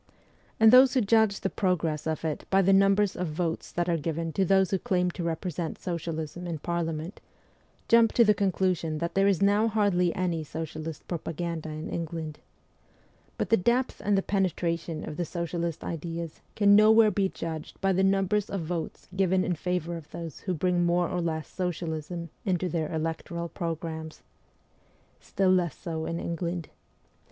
And those who judge the progress of it by the numbers of votes that are given to those who claim to represent socialism in Parliament, jump to the conclusion that there is now hardly any socialist propaganda in England. But the depth and the penetration of the socialist ideas can nowhere be judged by the numbers of votes given in favour of those who bring more or less socialism into their electoral programmes. Still less so in England.